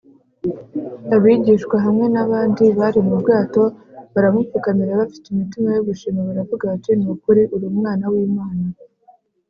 abigishwa, hamwe n’abandi bari mu bwato, baramupfukamira bafite imitima yo gushima, baravuga bati, “ni ukuri uri umwana w’imana!